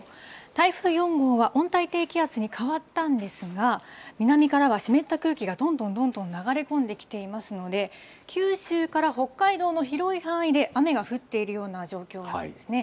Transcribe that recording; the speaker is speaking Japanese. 台風４号は温帯低気圧に変わったんですが、南からは湿った空気がどんどんどんどん流れ込んできていますので、九州から北海道の広い範囲で雨が降っているような状況なんですね。